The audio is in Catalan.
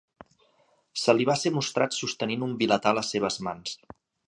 Se li va ser mostrat sostenint un vilatà a les seves mans.